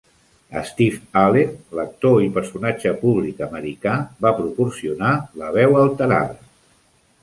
Steve Allen, l'actor i personatge públic americà, va proporcionar la veu alterada.